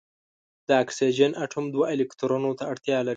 د اکسیجن اتوم دوه الکترونونو ته اړتیا لري.